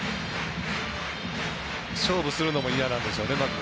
勝負するのも嫌なんでしょうね。